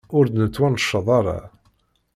Ur d-nettwanced ara.